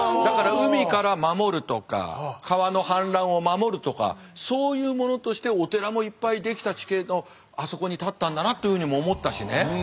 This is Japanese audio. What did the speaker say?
だから海から守るとか川の氾濫を守るとかそういうものとしてお寺もいっぱい出来た地形のあそこに建ったんだなというふうにも思ったしね。